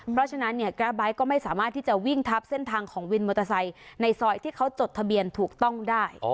เพราะฉะนั้นเนี่ยกราฟไบท์ก็ไม่สามารถที่จะวิ่งทับเส้นทางของวินมอเตอร์ไซค์ในซอยที่เขาจดทะเบียนถูกต้องได้